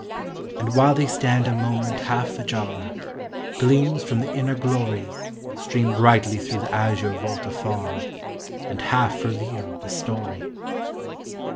And while they stand a moment half ajar, Gleams from the inner glory Stream brightly through the azure vault afar, And half reveal the story.